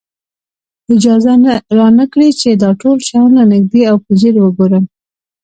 اجازه را نه کړي چې دا ټول شیان له نږدې او په ځیر وګورم.